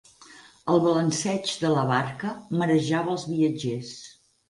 El balanceig de la barca marejava els viatgers.